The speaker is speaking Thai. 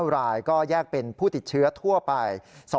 รายก็แยกเป็นผู้ติดเชื้อทั่วไป